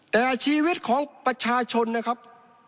แต่ชีวิตของประชาชนนะครับ